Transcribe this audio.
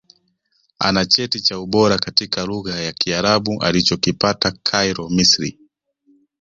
Ana Cheti cha Ubora katika Lugha ya Kiarabu alichokipata Cairo Misri